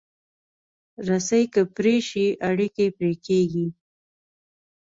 رسۍ که پرې شي، اړیکې پرې کېږي.